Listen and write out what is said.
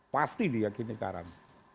pasti diakini karam